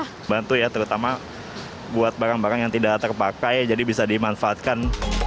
terus kita bisa bantu ya terutama buat barang barang yang tidak terpakai jadi bisa dimanfaatkan